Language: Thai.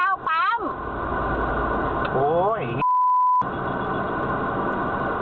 แจ้งบ้ามันจะเข้าปั๊ม